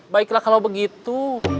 baiklah kalau begitu